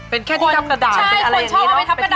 เป็นแค่ที่จับกระดาษเป็นอะไรอย่างนี้เนอะ